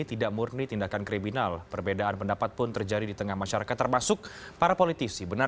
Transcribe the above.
terdapat dua ratus satu bentuk tindakan pelanggaran kebebasan beragama dan percayakinan dengan satu ratus lima puluh lima peristiwa yang tersebar di indonesia